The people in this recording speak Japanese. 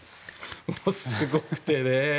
もうすごくてね。